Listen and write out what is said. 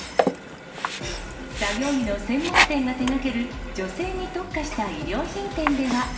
作業着の専門店が手がける女性に特化した衣料品店では。